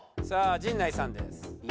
さあ陣内さんです。